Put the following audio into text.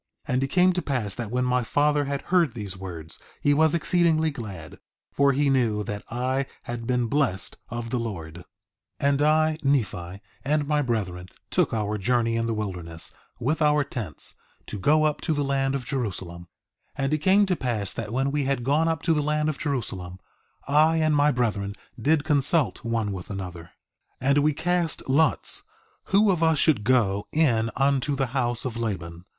3:8 And it came to pass that when my father had heard these words he was exceedingly glad, for he knew that I had been blessed of the Lord. 3:9 And I, Nephi, and my brethren took our journey in the wilderness, with our tents, to go up to the land of Jerusalem. 3:10 And it came to pass that when we had gone up to the land of Jerusalem, I and my brethren did consult one with another. 3:11 And we cast lots—who of us should go in unto the house of Laban.